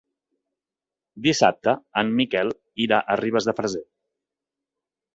Dissabte en Miquel irà a Ribes de Freser.